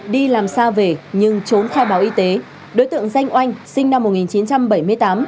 đi làm xa về nhưng trốn khai báo y tế đối tượng danh oanh sinh năm một nghìn chín trăm bảy mươi tám